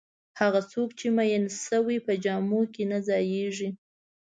هغه څوک چې میین شوی په جامو کې نه ځایېږي.